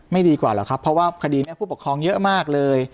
ดีกว่าหรอกครับเพราะว่าคดีนี้ผู้ปกครองเยอะมากเลย